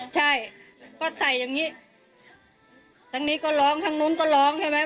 ใช่ก็ใส่อย่างนี้ทั้งนี้ก็ร้องทั้งนู้นก็ร้องใช่ไหม